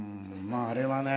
ああれはね